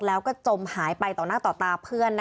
แล้วก็จมหายไปต่อต้าเพื่อน